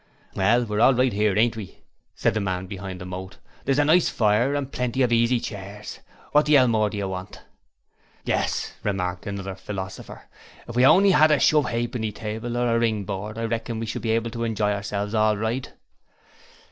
'Well, we're all right 'ere, ain't we?' said the man behind the moat; 'there's a nice fire and plenty of heasy chairs. Wot the 'ell more do you want?' 'Yes,' remarked another philosopher. 'If we only had a shove ha'penny table or a ring board, I reckon we should be able to enjoy ourselves all right.'